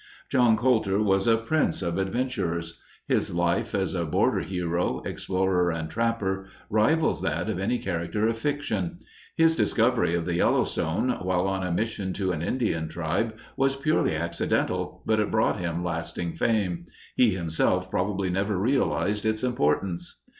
John Colter was a prince of adventurers. His life as a border hero, explorer, and trapper rivals that of any character of fiction; his discovery of the Yellowstone, while on a mission to an Indian tribe, was purely accidental, but it brought him lasting fame. He, himself, probably never realized its importance.